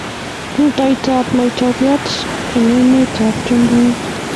Rutoita ab laitoriat eng emet ab chumbek